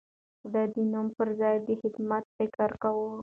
ده د نوم پر ځای د خدمت فکر کاوه.